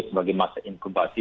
sebagai masa inkubasi